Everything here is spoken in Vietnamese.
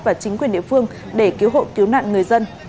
và chính quyền địa phương để cứu hộ cứu nạn người dân